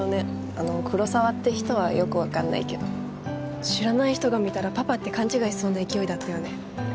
あの黒澤って人はよく分かんないけど知らない人が見たらパパって勘違いしそうな勢いだったよね